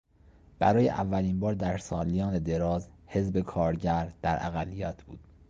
برای اولین بار در سالیان دراز حزب کارگر در اقلیت بود.